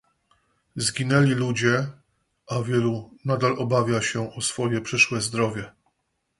Zginęli ludzie, a wielu nadal obawia się o swoje przyszłe zdrowie